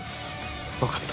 分かった。